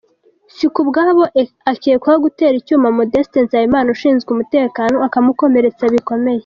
Sikubwabo akekwaho gutera icyuma Modeste Nsabimana ushinzwe umutekano akamukomeretsa bikomeye.